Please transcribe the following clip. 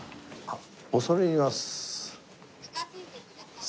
恐れ入ります。